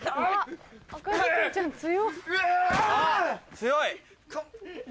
強い！